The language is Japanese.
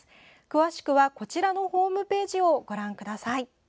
詳しくはこちらののホームページをご覧ください。